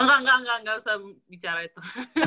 enggak enggak enggak enggak usah bicara itu